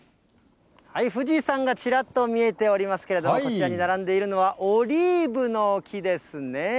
富士山がちらっと見えておりますけれども、こちらに並んでいるのは、オリーブの木ですね。